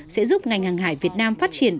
sẽ giúp ngành hàng hải việt nam phát triển